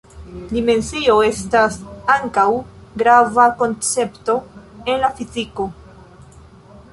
Dimensio estas ankaŭ grava koncepto en la fiziko.